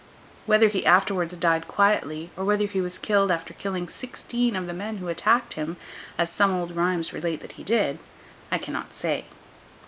Whether he afterwards died quietly, or whether he was killed after killing sixteen of the men who attacked him (as some old rhymes relate that he did), I cannot say.